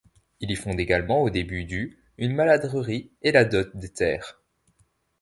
Il y fonde également au début du une maladrerie et la dote de terres.